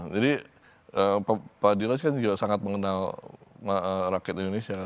jadi pak dilos kan juga sangat mengenal rakyat indonesia